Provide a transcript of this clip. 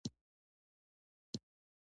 خلک د لیکلو زده کړه اړینه ګڼله.